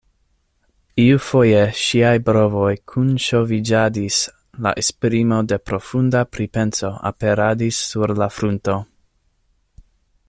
Iufoje ŝiaj brovoj kunŝoviĝadis, la esprimo de profunda pripenso aperadis sur la frunto.